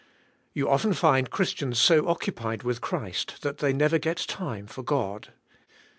You often find Christians so occupied with Christ that they never get time for God.